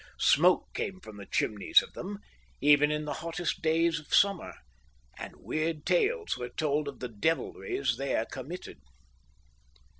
Smoke came from the chimneys of them, even in the hottest days of summer, and weird tales were told of the devilries there committed.